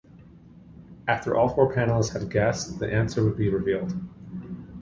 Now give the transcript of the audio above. After all four panellists had guessed, the answer would be revealed.